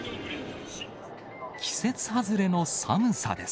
季節外れの寒さです。